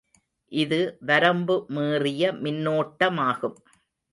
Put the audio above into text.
இது வரம்பு மீறிய மின்னோட்டமாகும்.